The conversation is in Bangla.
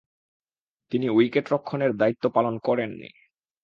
তিনি উইকেট-রক্ষণের দায়িত্ব পালন করেননি।